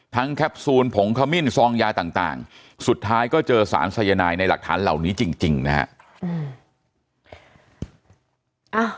แคปซูลผงขมิ้นซองยาต่างสุดท้ายก็เจอสารสายนายในหลักฐานเหล่านี้จริงนะฮะ